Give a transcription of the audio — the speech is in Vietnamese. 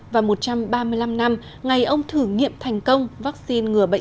và một trăm ba mươi năm năm ngày ông thử nghiệm thành công vaccine ngừa bệnh